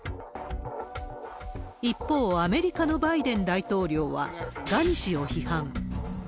一方、アメリカのバイデン大統領は、ガニ氏を批判。